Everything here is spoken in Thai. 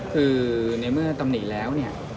คือในเมื่อตำหนิแล้วเนี่ย